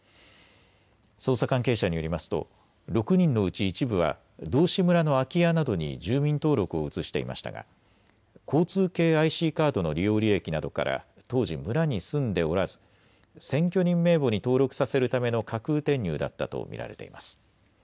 捜査関係者によりますと６人のうち一部は道志村の空き家などに住民登録を移していましたが交通系ＩＣカードの利用履歴などから当時、村に住んでおらず選挙人名簿に登録させるための架空転入だったと見られています。